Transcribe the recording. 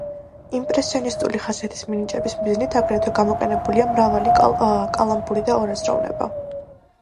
იმპრესიონისტული ხასიათის მინიჭების მიზნით აგრეთვე გამოყენებულია მრავალი კალამბური და ორაზროვნება.